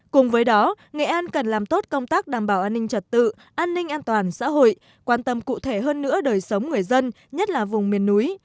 cùng với đó nghệ an cần làm tốt công tác đảm bảo an ninh trật tự an ninh an toàn xã hội quan tâm cụ thể hơn nữa đời sống người dân nhất là vùng miền núi